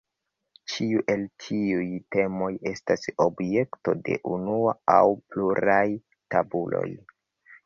Ĉiu el tiuj temoj estas objekto de unu aŭ pluraj tabuloj.